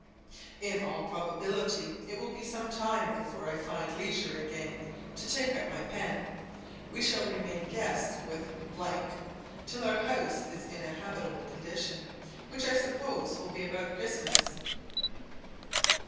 In all probability it will be some time before I find leisure again to take up my pen. We shall remain guests with till our house is in a habitable condition, which I suppose will be about Christmas.